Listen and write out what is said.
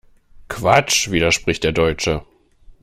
Quatsch!, widerspricht der Deutsche.